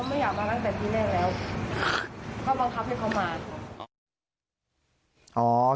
ไม่อยากมาตั้งแต่ทีแรกแล้วก็บังคับให้เขามาค่ะ